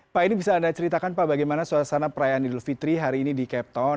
pak ini bisa anda ceritakan pak bagaimana suasana perayaan idul fitri hari ini di cape town